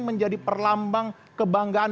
menjadi perlambang kebanggaan